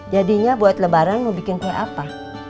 jadinya buat lebaran mau bikin kue apa